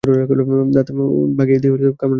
দাঁত বাগিয়ে হাতে কামড়ানোর উপায় নেই।